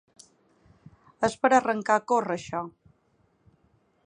És per arrencar a córrer això.